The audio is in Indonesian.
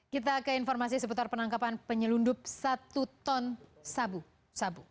kita ke informasi seputar penangkapan penyelundup satu ton sabu